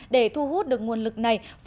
để thu hút được nguồn lực này